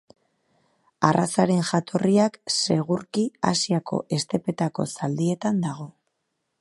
Arrazaren jatorria segurki Asiako estepetako zaldietan dago.